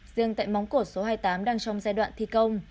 riêng tại móng cột số hai mươi tám đang trong giai đoạn thi công